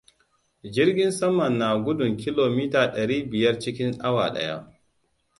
Jirgin saman na gudun kilo mita ɗari biyar cikin awa ɗaya.